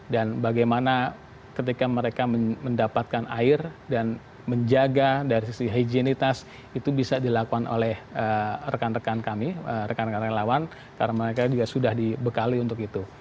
dan bagaimana ketika mereka mendapatkan air dan menjaga dari sisi higienitas itu bisa dilakukan oleh rekan rekan kami rekan rekan relawan karena mereka juga sudah dibekali untuk itu